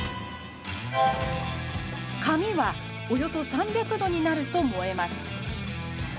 紙はおよそ３００度になると燃えます。